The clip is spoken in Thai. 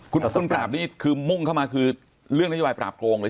คุณปราบนี่คือมุ่งเข้ามาคือเรื่องนโยบายปราบโครงเลย